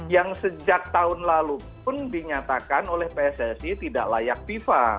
yang sejak tahun lalu pun dinyatakan oleh pssi tidak layak fifa